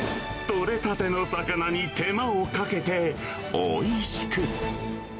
取れたての魚に手間をかけておいしく。